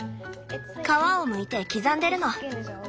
皮をむいて刻んでるの。